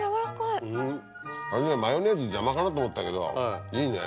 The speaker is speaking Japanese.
初めマヨネーズ邪魔かなと思ったけどいいね。